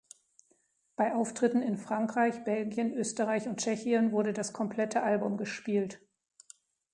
Bei Auftritten in Frankreich, Belgien, Österreich und Tschechien wurde das komplette Album gespielt.